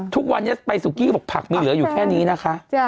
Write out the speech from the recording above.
ทุกวันนี้ไปสุกี้บอกผักมีเหลืออยู่แค่นี้นะคะ